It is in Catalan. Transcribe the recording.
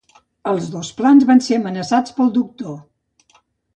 Els dos plans van ser amenaçats pel Doctor.